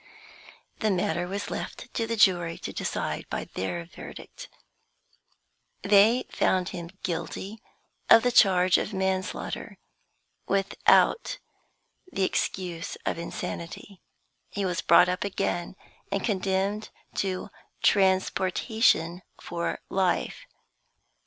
The matter was left to the jury to decide by their verdict. They found him guilty of the charge of manslaughter, without the excuse of insanity. He was brought up again, and condemned to transportation for life.